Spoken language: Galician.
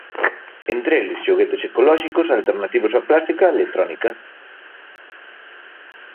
Entre eles, xoguetes ecolóxicos, alternativos ao plástico e á electrónica.